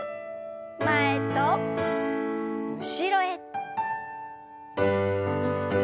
前と後ろへ。